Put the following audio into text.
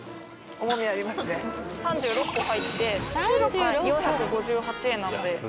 ３６個入って４５８円なので。